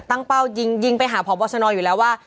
ตั้งเป้ายิงไปหาพบชนอยู่แล้วว่า